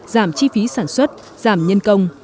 giảm chi phí sản xuất giảm nhân công